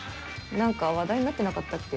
何か話題になってなかったっけ？